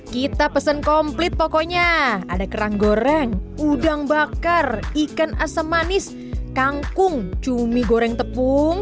kita pesen komplit pokoknya ada kerang goreng udang bakar ikan asam manis kangkung cumi goreng tepung